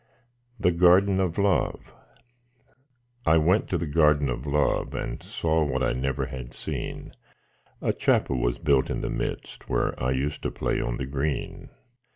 THE GARDEN OF LOVE I went to the Garden of Love, And saw what I never had seen; A Chapel was built in the midst, Where I used to play on the green.